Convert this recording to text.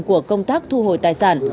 của công tác thu hồi tài sản